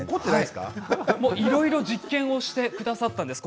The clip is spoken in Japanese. いろいろ実験をしてくださったんですね